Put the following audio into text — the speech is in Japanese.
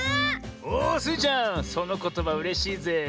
おスイちゃんそのことばうれしいぜえ。